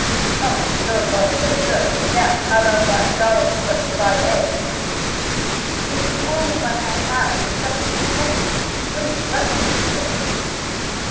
"Humph! So far so good. Now how about that dollar you took to buy eggs?" "It is the only money I have, except a few pennies. Please let me keep it."